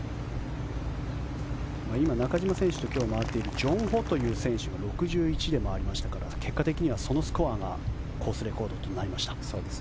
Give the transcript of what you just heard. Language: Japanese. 今、中島選手と今日回っているジョン・ホという選手が６１で回りましたから結果的にはそのスコアがコースレコードとなりました。